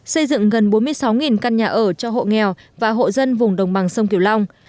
xây dựng gần bốn mươi sáu căn nhà ở cho hộ nghèo và hộ dân vùng đồng bằng sông kiều long